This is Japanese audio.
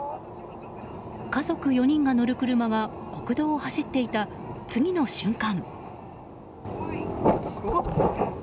家族４人が乗る車が国道を走っていた次の瞬間。